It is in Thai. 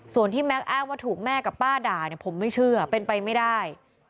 ส่วนที่แม็กซ์แอบทุกแม่กับป้าด่ายผมไม่เชื่อเป็นไปไม่ได้